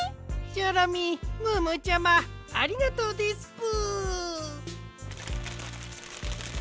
チョロミームームーちゃまありがとですぷ。